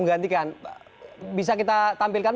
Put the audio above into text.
digantikan bisa kita tampilkan